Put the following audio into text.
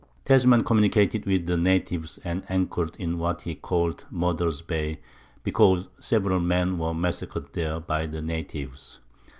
Tasman communicated with the natives and anchored in what he called Murderers' Bay, because several men were massacred there by the natives.